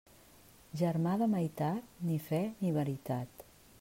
Germà de meitat, ni fe ni veritat.